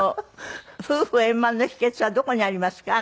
夫婦円満の秘訣はどこにありますか？